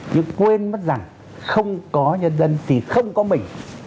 nhưng quên mất rằng không có nhân dân thì không có mình